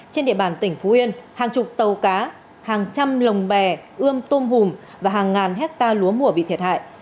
trên địa bàn tỉnh phú yên hàng chục tàu cá hàng trăm lồng bè ươm tôm hùm và hàng ngàn hectare lúa mùa bị thiệt hại